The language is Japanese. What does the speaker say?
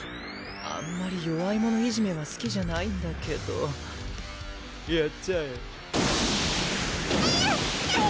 あんまり弱い者いじめはすきじゃないんだけどやっちゃええるぅ！